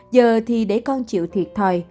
giờ thì để con chịu thiệt thôi